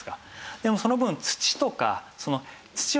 でもその分土とか。